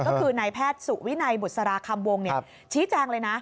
ก็คือนายแพทย์สุวินัยบุษราคำวงชี้แจงเลยนะ